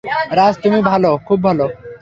রাজ, তুমি খুব ভালো।